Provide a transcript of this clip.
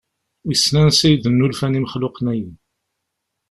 Wissen ansa i d-nulfan imexluqen-aki?